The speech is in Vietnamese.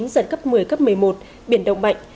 giật cấp một mươi cấp một mươi một biển động mạnh